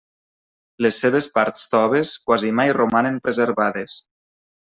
Les seves parts toves quasi mai romanen preservades.